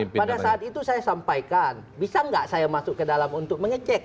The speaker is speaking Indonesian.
pada saat itu saya sampaikan bisa nggak saya masuk ke dalam untuk mengecek